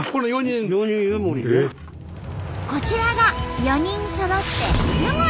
こちらが４人そろって湯守！